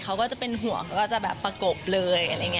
เขาก็จะเป็นห่วงแล้วก็จะแบบประกบเลย